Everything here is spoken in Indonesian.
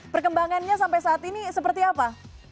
perkembangannya sampai saat ini seperti apa